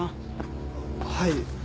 はい。